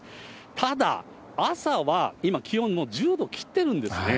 ただ、朝は今、気温１０度切ってるんですね。